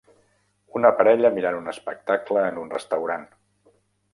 Una parella mirant un espectacle en un restaurant.